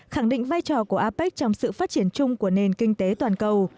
khẳng định vai trò của apec trong sự phát triển chung của nền kinh tế toàn cầu